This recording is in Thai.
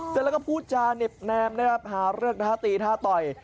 แล้วก็พูดจาเน็บแนมนะครับหาเรื่องท้าตีท้าต่อย